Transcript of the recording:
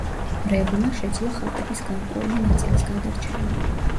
მრევლმა შეძლო ხატების გარკვეული ნაწილის გადარჩენა.